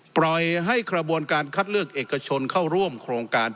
ปล่อยให้กระบวนการคัดเลือกเอกชนเข้าร่วมโครงการ